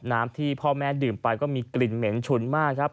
ที่พ่อแม่ดื่มไปก็มีกลิ่นเหม็นฉุนมากครับ